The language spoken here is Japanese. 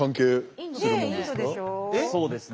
そうですね。